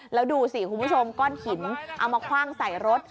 แล้วดูสิคุณผู้ชมก้อนหินเอามาคว่างใส่รถ